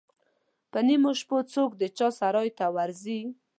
پر نیمو شپو څوک د چا سرای ته ورځي.